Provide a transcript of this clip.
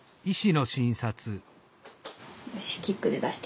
よしキックで出して。